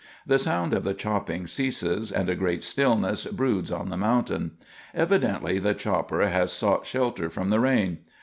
The sound of the chopping ceases, and a great stillness broods on the mountain. Evidently the chopper has sought shelter from the rain.